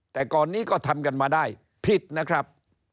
แต่ก่อนนี้ก็ทำกันมาได้ผิดนะครับ